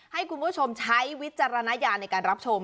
ให้คุณผู้ชมใช้วิจารณญาณในการรับชม